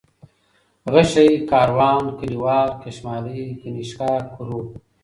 غشى ، کاروان ، کليوال ، کشمالی ، كنيشكا ، کروړ